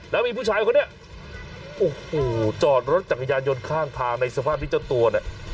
แล้วมีผู้ชายคนนี้โอ้โหจอดรถจักรยานยนต์ข้างทางในสภาพที่เจ้าตัวเนี่ย